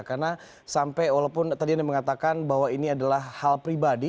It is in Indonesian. karena sampai walaupun tadi anda mengatakan bahwa ini adalah hal pribadi